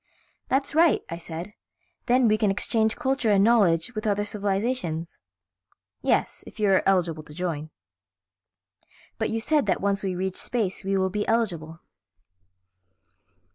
"That's all right," I said, "then we can exchange culture and knowledge with other civilizations." "Yes, if you are eligible to join." "But you said that once we reach space we will be eligible."